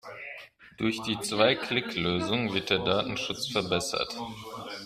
Durch die Zwei-Klick-Lösung wird der Datenschutz verbessert.